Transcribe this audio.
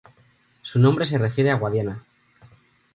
Su nombre se refiere a Guadiana.